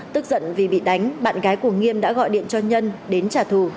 tức giận vì bị đánh bạn gái của nghiêm đã gọi điện cho nhân đến trả thù